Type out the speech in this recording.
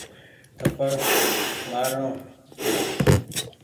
ٿپڙ مآر ڻو۔